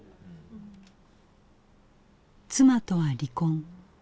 妻とは離婚。